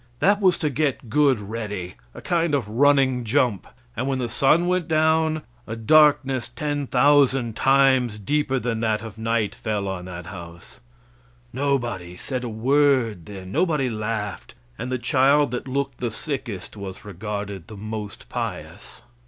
That was to get good ready a kind of running jump; and when the sun went down, a darkness ten thousand times deeper than that of night fell on that house. Nobody said a word then; nobody laughed; and the child that looked the sickest was regarded the most pious.